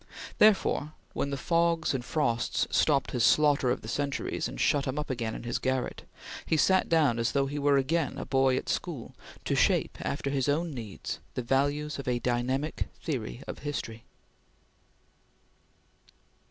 Therefore, when the fogs and frosts stopped his slaughter of the centuries, and shut him up again in his garret, he sat down as though he were again a boy at school to shape after his own needs the values of a Dynamic Theory of History.